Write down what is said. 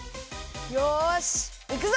よしいくぞ！